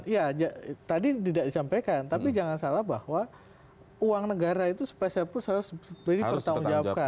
ya tadi tidak disampaikan tapi jangan salah bahwa uang negara itu spesial pus harus beri pertanggung jawab